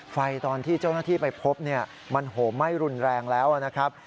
ตอนที่เจ้าหน้าที่ไปพบเนี่ยมันโหมไหม้รุนแรงแล้วนะครับ